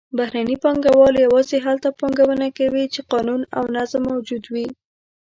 بهرني پانګهوال یوازې هلته پانګونه کوي چې قانون او نظم موجود وي.